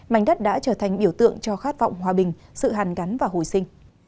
mảnh đất đã trở thành biểu tượng cho khát vọng hòa bình sự hàn gắn và hồi sinh